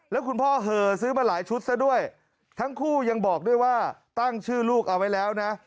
แล้วคุณพ่อเหอซื้อมาหลายชุดซะด้วยทั้งคู่ยังบอกด้วยว่าตั้งชื่อลูกเอาไว้แล้วนะ